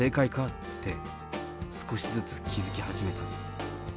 って、少しずつ気付き始めた。